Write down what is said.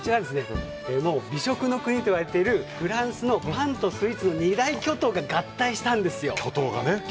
美食のクイーンといわれているフランスのパンとスイーツの二大巨塔が合体したんですよ。